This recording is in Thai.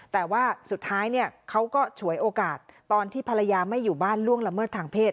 แต่ว่าสุดท้ายเขาก็ฉวยโอกาสตอนที่ภรรยาไม่อยู่บ้านล่วงละเมิดทางเพศ